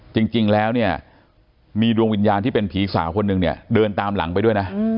จริงแล้วเนี่ยมีดวงวิญญาณที่เป็นผีสาวคนหนึ่งเนี่ยเดินตามหลังไปด้วยนะ